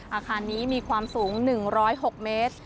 อาคารนี้มีความสูง๑๐๖เมตร